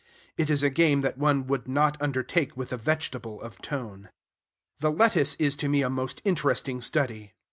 It is a game that one would not undertake with a vegetable of tone. The lettuce is to me a most interesting study.